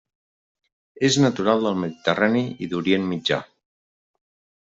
És natural del Mediterrani i d'Orient Mitjà.